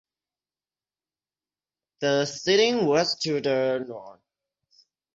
The siding was to the north.